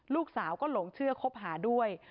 ลูกสาวก็หลงเชื่อคบหาด้วย